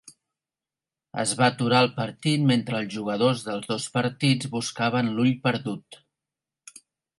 Es va aturar el partit mentre els jugadors dels dos partits buscaven l'ull perdut.